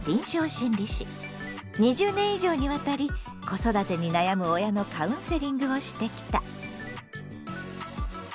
２０年以上にわたり子育てに悩む親のカウンセリングをしてきた。